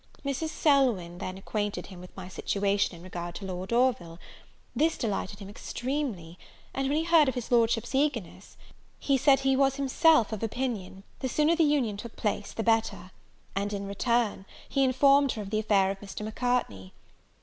Mrs. Selwyn then acquainted him with my situation in regard to Lord Orville: this delighted him extremely; and, when he heard of his Lordship's eagerness, he said he was himself of opinion, the sooner the union took place the better; and, in return, he informed her of the affair of Mr. Macartney.